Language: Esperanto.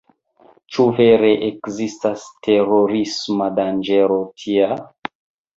Ĉu vere ekzistas terorisma danĝero tia?